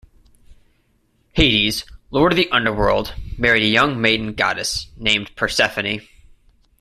Hades, lord of the underworld married a young maiden goddess named Persephone.